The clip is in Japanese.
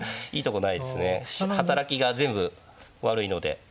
働きが全部悪いので。